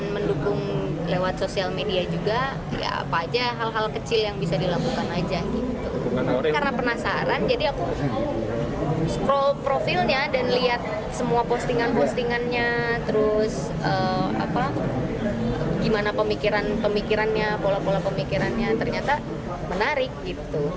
postingan postingannya terus gimana pemikirannya pola pola pemikirannya ternyata menarik gitu